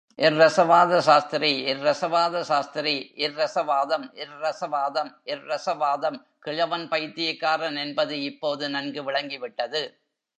ர்ரசவாத சாஸ்திரி ர்ரசவாத சாஸ்திரி, ர்ரசவாதம் ர்ரசவாதம், ர்ரசவாதம். கிழவன் பைத்தியக்காரன் என்பது இப்போது நன்கு விளங்கிவிட்டது.